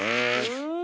うん！